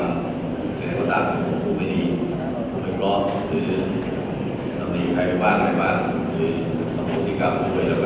กูลงูขูมภูมิดีอีกรอบซึ่งต้องปกปลูกสิกรรมด้วยแล้ว